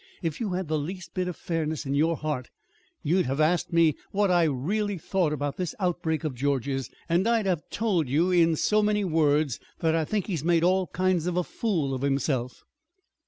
If you had the least bit of fairness in your heart you'd have asked me what I really thought about this outbreak of George's, and I'd have told you in so many words that I think he's made all kinds of a fool of himself."